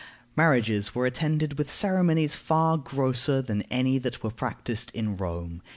Marriages were attended with ceremonies far grosser than any that were practiced in Rome.